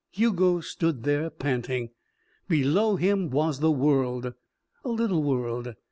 Hugo stood there, panting. Below him was the world. A little world.